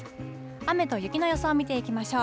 雨と雪の予想見ていきましょう。